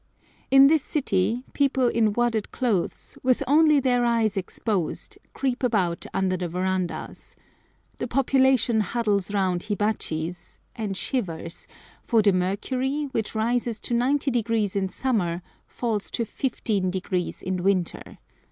In this city people in wadded clothes, with only their eyes exposed, creep about under the verandahs. The population huddles round hibachis and shivers, for the mercury, which rises to 92° in summer, falls to 15° in winter.